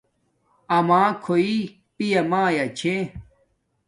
آما کھوݵݵ پیا مایا چھے